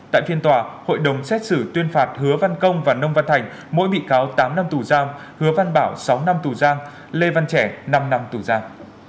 tại phiên tòa hội đồng xét xử tuyên phạt hứa văn công và nông văn thành mỗi bị cáo tám năm tù giam hứa văn bảo sáu năm tù giam lê văn trẻ năm năm tù giam